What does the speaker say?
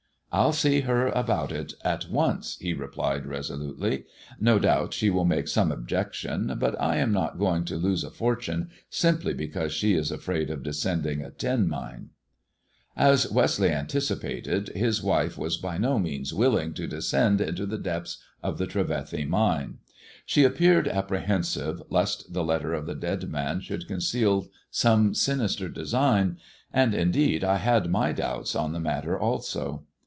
"I'll see her about it at once," he replied resolutely. "No doubt she will make some objection ; but I am not going to lose a fortune simply because she is afraid of descending a tin mine." As Westleigh anticipated, hi? wife was by no means willing to descend into the depths of the Trevethy Mine. She appeared apprehensive lest the letter of the dead man should conceal some sinister design; and indeed I had my doubts on the matter also.